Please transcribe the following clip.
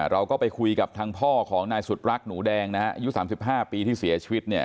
เราก็ไปคุยกับทางพ่อของนายสุดรักหนูแดงนะฮะอายุ๓๕ปีที่เสียชีวิตเนี่ย